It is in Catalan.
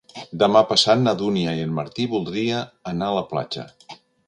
Demà passat na Dúnia i en Martí voldria anar a la platja.